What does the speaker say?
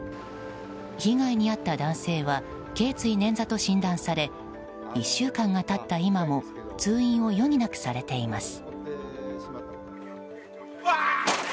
被害に遭った男性は頸椎捻挫と診断され１週間が経った今も通院を余儀なくされています。